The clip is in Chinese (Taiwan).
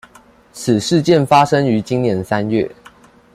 此事件發生於今年三月